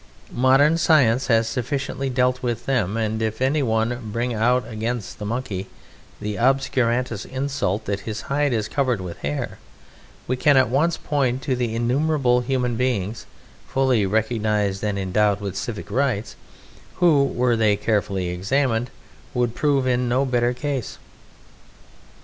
Modern science has sufficiently dealt with them; and if any one bring out against the Monkey the obscurantist insult that His Hide is Covered with Hair, we can at once point to innumerable human beings, fully recognized and endowed with civic rights, who, were they carefully examined, would prove in no better case.